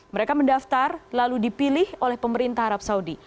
mereka mendaftar lalu dipilih oleh pemerintah arab saudi